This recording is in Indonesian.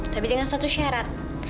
tapi dengan satu syarat